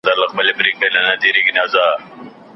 ایا څېړونکی باید د موضوع تاریخ ولولي؟